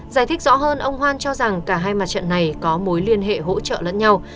giải thích rõ hơn ông hoan cho rằng cả hai mặt trận này có mối liên hệ hỗ trợ lẫn nhau